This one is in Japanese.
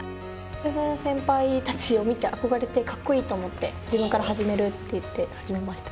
女性の先輩たちを見て、憧れて、かっこいいと思って、自分から始めるって言って始めました。